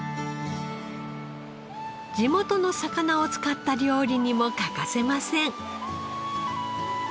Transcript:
地元の魚を使った料理にも欠かせません。